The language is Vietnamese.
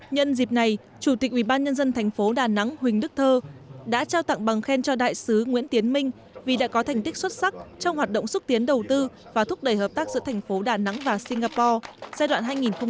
nhân dịp này chủ tịch ubnd tp đà nẵng huỳnh đức thơ đã trao tặng bằng khen cho đại sứ nguyễn tiến minh vì đã có thành tích xuất sắc trong hoạt động xúc tiến đầu tư và thúc đẩy hợp tác giữa thành phố đà nẵng và singapore giai đoạn hai nghìn một mươi sáu hai nghìn hai mươi